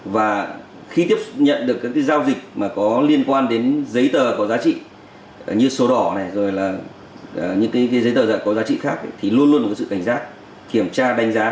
và khi tiếp nhận được các giao dịch liên quan đến giấy tờ có giá trị như sổ đỏ giấy tờ có giá trị khác thì luôn luôn có sự cảnh giác kiểm tra đánh giá